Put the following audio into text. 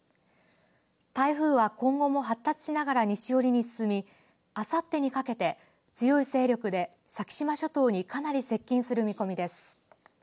台風は今後も発達しながら西寄りに進みあさってにかけて強い勢力で先島諸島にかなり接近する見込みです。